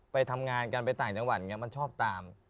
ไปทำงานกันไปต่างจังหวัดอย่างนี้มันชอบตาม